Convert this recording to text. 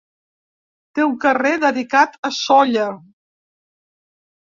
Té un carrer dedicat a Sóller.